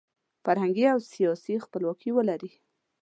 فرهنګي او سیاسي خپلواکي ولري.